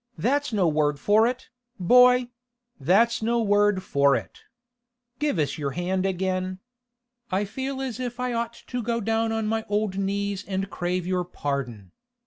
That's no word for it, boy; that's no word for it! Give us your hand again. I feel as if I'd ought to go down on my old knees and crave your pardon.